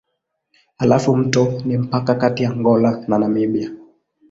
Halafu mto ni mpaka kati ya Angola na Namibia.